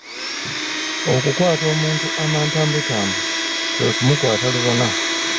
Okukwata omuntu amantambutambu kwe ku mukwata lubona.